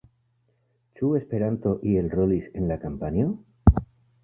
Ĉu Esperanto iel rolis en la kampanjo?